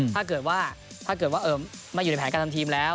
ถ้าเกิดว่าถ้าเกิดว่าไม่อยู่ในแผนการทำทีมแล้ว